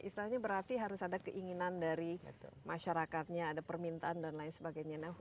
istilahnya berarti harus ada keinginan dari masyarakatnya ada permintaan dan lain sebagainya